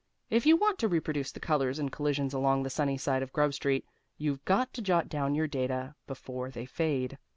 If you want to reproduce the colors and collisions along the sunny side of Grub Street, you've got to jot down your data before they fade.